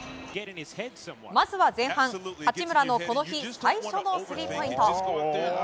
まずは前半、八村のこの日最初のスリーポイント。